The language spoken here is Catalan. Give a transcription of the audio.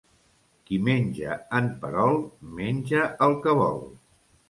Qui menja en perol, menja el que vol.